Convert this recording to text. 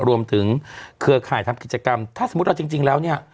เครือข่ายทำกิจกรรมถ้าสมมุติเราจริงแล้วเนี่ย